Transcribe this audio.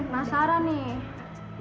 betulin penasaran nih